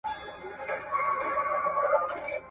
يوسف عليه السلام په قافله کي هيڅ خواخوږی نه درلود.